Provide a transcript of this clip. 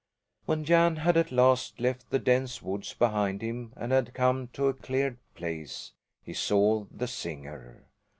When Jan had at last left the dense woods behind him and had come to a cleared place, he saw the singer.